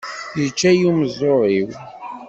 Yečča-yi umeẓẓuɣ-iw.